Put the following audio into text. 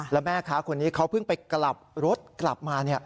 แล้วแม่ค้าคนนี้เขาเพิ่งไปกลับรถกลับมา